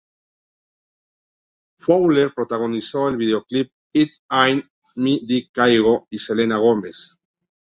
Fowler protagonizó el videoclip It Ain't Me de Kygo y Selena Gomez.